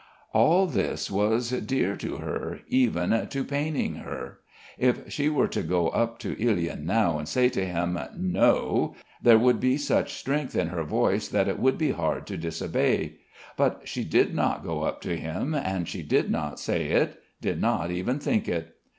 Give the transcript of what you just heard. All this was dear to her, even to paining her. If she were to go up to Ilyin now and say to him "No," there would be such strength in her voice that it would be hard to disobey. But she did not go up to him and she did not say it, did not even think it....